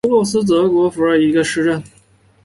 弗洛斯是德国巴伐利亚州的一个市镇。